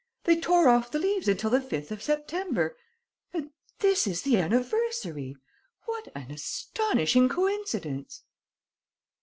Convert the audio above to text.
They tore off the leaves until the 5th of September.... And this is the anniversary! What an astonishing coincidence!"